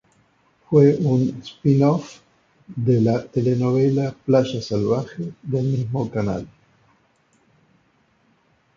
Fue un "spin off" de la telenovela "Playa salvaje", del mismo canal.